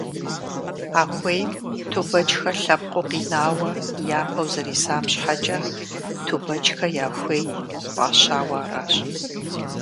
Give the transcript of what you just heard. А хуейм Тубэчхэ лъэпкъыу къинауэ япэу зэрисам щхьэкӏэ, «Тубэчхэ я хуей» фӏащауэ аращ.